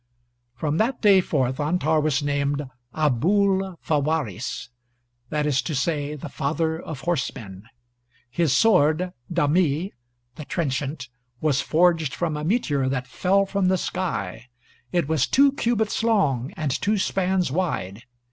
[From that day forth Antar was named Abool fawaris, that is to say, the father of horsemen. His sword, Dhami the trenchant was forged from a meteor that fell from the sky; it was two cubits long and two spans wide.